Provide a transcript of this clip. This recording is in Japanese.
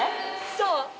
そう！